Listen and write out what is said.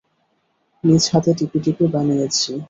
নিজ হাতে টিপে টিপে বানিয়েছি।